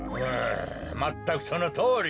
まったくそのとおりじゃ。